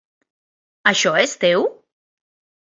Això és teu?